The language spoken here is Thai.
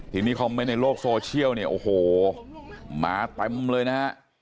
ทีนี้คอมเมนต์ในโลกโซเชียลเนี่ยโอ้โหมาเต็มเลยนะฮะ